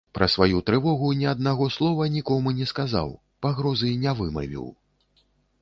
Пра сваю трывогу ні аднаго слова нікому не сказаў, пагрозы не вымавіў.